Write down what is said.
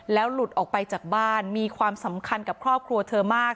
หลุดออกไปจากบ้านมีความสำคัญกับครอบครัวเธอมาก